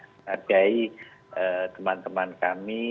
menghargai teman teman kami